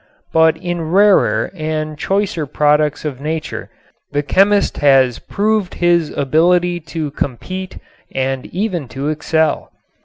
But in rarer and choicer products of nature the chemist has proved his ability to compete and even to excel.